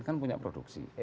kan punya produksi